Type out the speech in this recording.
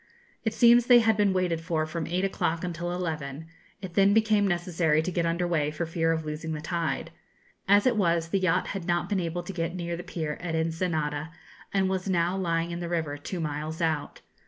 It seems they had been waited for from eight o'clock until eleven; it then became necessary to get under way, for fear of losing the tide. As it was, the yacht had not been able to get near the pier at Ensenada, and was now lying in the river, two miles out.